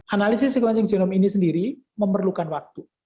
analisis sequencing genome ini sendiri memerlukan waktu